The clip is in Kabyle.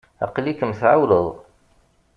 Aql-ikem tɛewwleḍ.